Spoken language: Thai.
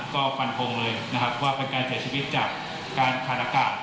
ก็ปันพงเลยว่าเป็นการเสียชีวิตจากการคาดการณ์